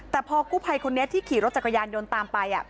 แต่พอกู้ภัยคนนี้ที่ขี่รถจักรยานยนต์ตามไป